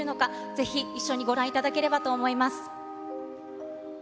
ぜひ一緒にご覧いただければと思います。